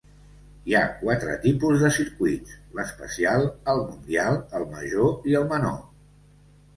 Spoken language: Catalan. Hi ha quatre tipus de circuits: l'especial, el mundial, el major i el menor.